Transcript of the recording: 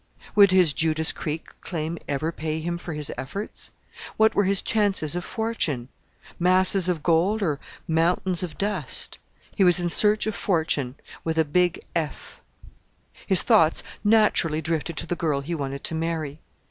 Would his Judas Creek Claim ever pay him for his efforts? What were his chances of fortune? Masses of gold or mountains of dust? He was in search of fortune with a big "F." His thoughts naturally drifted to the girl he wanted to marry.